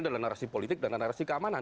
adalah narasi politik dan narasi keamanan